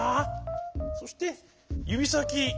そしてゆびさき。